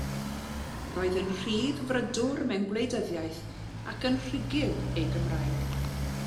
Roedd yn Rhyddfrydwr mewn gwleidyddiaeth ac yn rhugl ei Gymraeg.